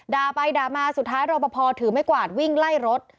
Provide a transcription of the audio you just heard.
ด่าไปด่ามาสุดท้ายรอปภถือไม่กวาดวิ่งไล่รถ